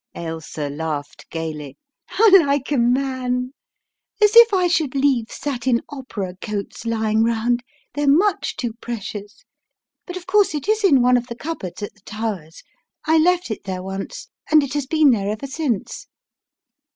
Ailsa laughed gaily. " How like a man ! As if I should leave satin opera coats lying round. They're much too precious! But of course it is in one of the cupboards at The Towers. I left it there once, and it has been there ever since."